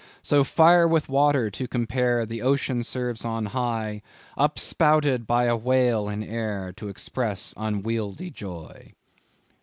"So fire with water to compare, The ocean serves on high, Up spouted by a whale in air, To express unwieldy joy."